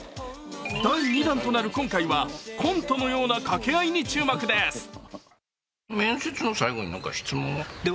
第２弾となる今回は、コントのような掛け合いに注目です。